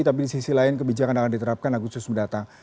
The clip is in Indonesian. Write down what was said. tapi di sisi lain kebijakan akan diterapkan agustus mendatang